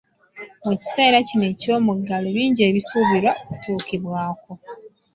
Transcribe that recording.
Mu kiseera kino eky'omuggalo, bingi ebisuubirwa okutuukibwako.